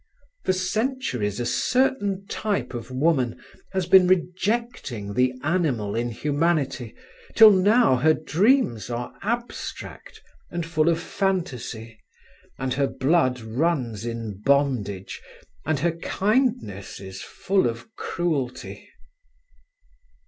For centuries a certain type of woman has been rejecting the "animal" in humanity, till now her dreams are abstract, and full of fantasy, and her blood runs in bondage, and her kindness is full of cruelty.